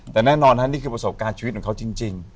แต่แน่นอนฮะนี่คือประสบการณ์ชีวิตของเขาจริง